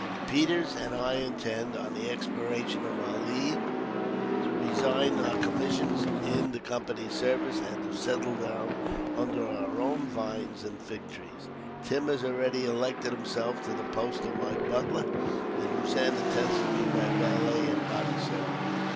Peters and I intend, on the expiration of our leave, to resign our commissions in the Company's service, and to settle down under our own vines and fig trees. Tim has already elected himself to the post of my butler, and Hossein intends to be my valet and body servant."